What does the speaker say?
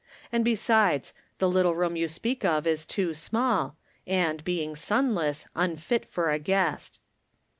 And, besides, the little room you speak of is too small, and, being sunless, un fit for a guest."